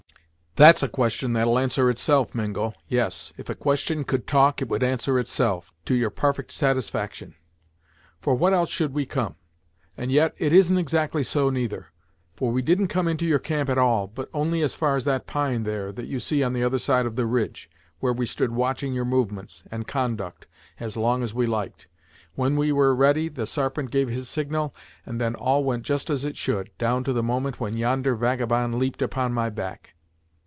"That's a question that'll answer itself, Mingo! Yes, if a question could talk it would answer itself, to your parfect satisfaction. For what else should we come? And yet, it isn't exactly so, neither; for we didn't come into your camp at all, but only as far as that pine, there, that you see on the other side of the ridge, where we stood watching your movements, and conduct, as long as we liked. When we were ready, the Sarpent gave his signal, and then all went just as it should, down to the moment when yonder vagabond leaped upon my back.